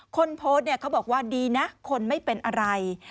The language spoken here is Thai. คนโพสต์เนี่ยเขาบอกว่าดีนะคนไม่เป็นอะไร